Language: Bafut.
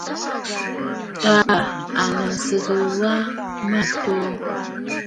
Taà à nɔʼɔ sɨŋ wa mmàʼà ǹto.